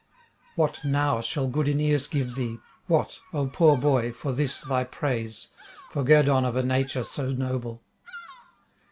'What now shall good Aeneas give thee, what, O poor boy, for this thy praise, for guerdon of a nature so noble?